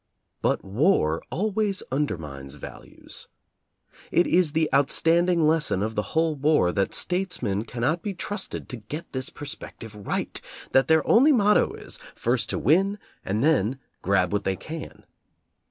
But war always undermines values. It is the outstanding lesson of the whole war that statesmen cannot be trusted to get this perspective right, that their only motto is, first to win and then grab what they can.